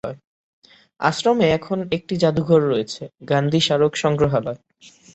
আশ্রমে এখন একটি জাদুঘর রয়েছে, গান্ধী স্মারক সংগ্রহালয়।